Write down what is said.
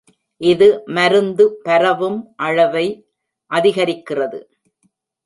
இது மருந்து பரவும் அளவை அதிகரிக்கிறது.